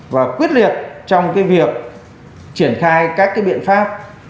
và quyết liệt trong việc triển khai các cái biện pháp